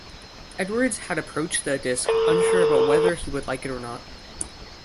Edwards had approached the disc unsure about whether he would like it or not.